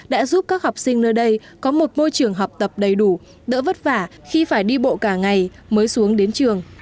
đã giúp các học sinh nơi đây có một môi trường học tập đầy đủ đỡ vất vả khi phải đi bộ cả ngày mới xuống đến trường